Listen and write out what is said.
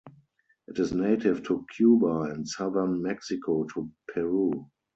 It is native to Cuba and Southern Mexico to Peru.